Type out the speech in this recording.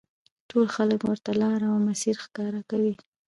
ټول خلک ورته لاره او مسیر ښکاره کوي.